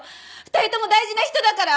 ２人とも大事な人だから。